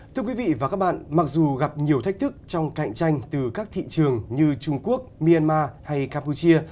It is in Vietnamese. thưa quý vị và các bạn mặc dù gặp nhiều thách thức trong cạnh tranh từ các thị trường như trung quốc myanmar hay campuchia